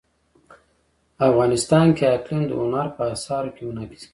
افغانستان کې اقلیم د هنر په اثار کې منعکس کېږي.